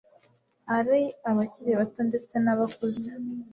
ali abakili bato ndetse n,abakuze